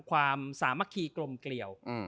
ความสามัคคีกลมเกลี่ยว